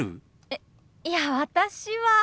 えいや私は。